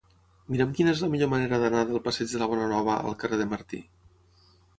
Mira'm quina és la millor manera d'anar del passeig de la Bonanova al carrer de Martí.